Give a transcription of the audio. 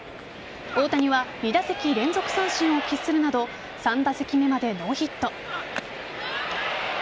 大谷は２打席連続三振を喫するなど３打席目までノーヒット。